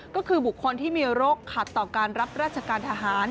ก็คือบุคคลที่มีโรคขัดต่อการรับราชการทหาร